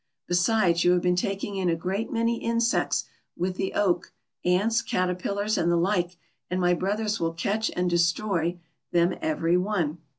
Besides you have been taking in a great many insects with the oak, ants, caterpillars, and the like, and my brothers will catch and destroy them every one."